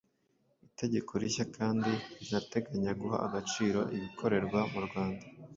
Itegeko rishya kandi rinateganya guha agaciro ibikorerwa mu Rwanda